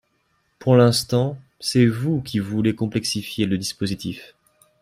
Pour l’instant, c’est vous qui voulez complexifier le dispositif